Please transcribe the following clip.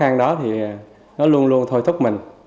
nó luôn luôn thôi thúc mình